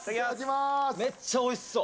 めっちゃおいしそう！